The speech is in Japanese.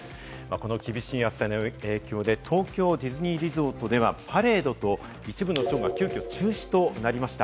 この厳しい暑さの影響で東京ディズニーリゾートではパレードと一部のショーが急きょ中止となりました。